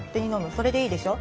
それでいいでしょ？